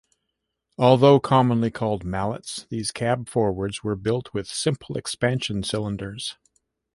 Although commonly called "Mallets" these cab-forwards were built with simple expansion cylinders.